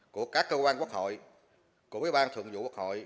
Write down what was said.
của các cơ quan quốc hội của bế ban thượng vụ quốc hội